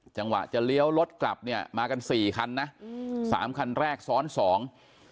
จังหวะจะเลี้ยวรถกลับเนี่ยมากันสี่คันนะอืมสามคันแรกซ้อนสอง